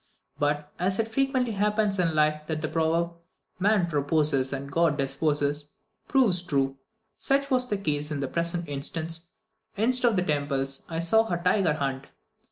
But, as it frequently happens in life that the proverb, "man proposes and God disposes," proves true, such was the case in the present instance instead of the temples, I saw a tiger hunt.